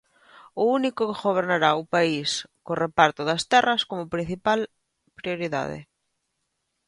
O único que gobernará o país co reparto das terras como principal prioridade.